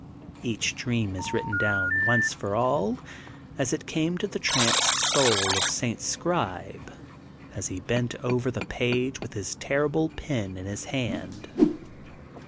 Each dream is written down once for all as it came, to the tranced soul of St. Scribe, as he bent over the page, with his terrible pet in his hand.